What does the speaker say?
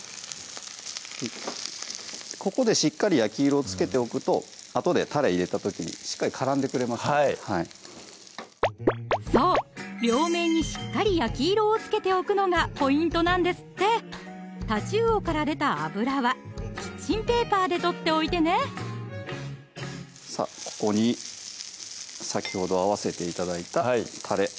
ここでしっかり焼き色をつけておくとあとでたれ入れた時にしっかり絡んでくれますのでそう両面にしっかり焼き色をつけておくのがポイントなんですってタチウオから出た脂はキッチンペーパーで取っておいてねさぁここに先ほど合わせて頂いたたれ